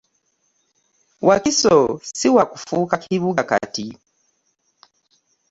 Wakiso siwakufuuka kibuga kati.